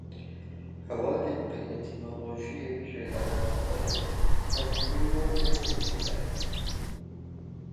Hevalên bi etîmolojiyê re eleqedar in, ev peyva ne kurdî be?